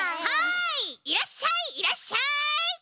はいいらっしゃいいらっしゃい！